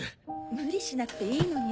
無理しなくていいのに。